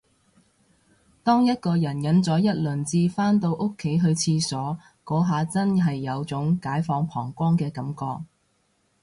當一個人忍咗一輪至返到屋企去廁所，嗰下真係有種解放膀胱嘅感覺